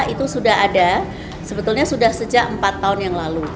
itu sudah ada sebetulnya sudah sejak empat tahun yang lalu